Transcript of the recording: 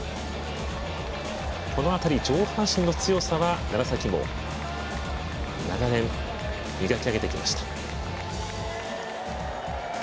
この辺り、上半身の強さは楢崎も長年、磨き上げてきました。